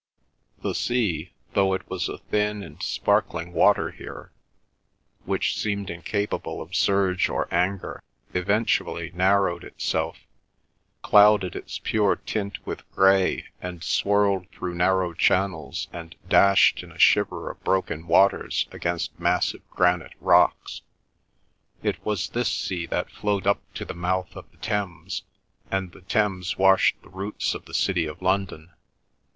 The sea, though it was a thin and sparkling water here, which seemed incapable of surge or anger, eventually narrowed itself, clouded its pure tint with grey, and swirled through narrow channels and dashed in a shiver of broken waters against massive granite rocks. It was this sea that flowed up to the mouth of the Thames; and the Thames washed the roots of the city of London.